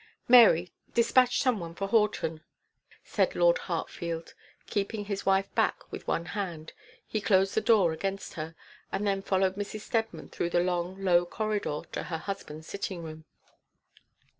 'Mary, despatch some one for Horton,' said Lord Hartfield. Keeping his wife back with one hand, he closed the door against her, and then followed Mrs. Steadman through the long low corridor to her husband's sitting room.